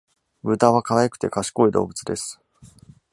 ブタは可愛くて賢い動物です。